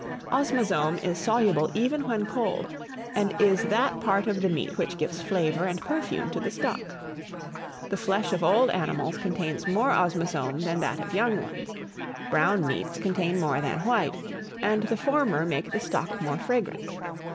OSMAZOME is soluble even when cold, and is that part of the meat which gives flavour and perfume to the stock. The flesh of old animals contains more osmazome than that of young ones. Brown meats contain more than white, and the former make the stock more fragrant.